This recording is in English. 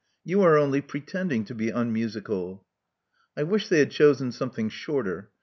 You are only pretending to be unmusical." I wish they had chosen something shorter.